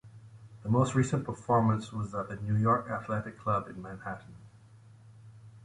The most recent performance was at the New York Athletic Club in Manhattan.